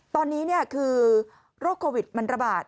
ตอนนี้คือโรคโควิดมันระบาด